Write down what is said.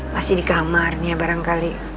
masih di kamarnya barangkali